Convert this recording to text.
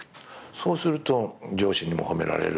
そうすると上司にも褒められる。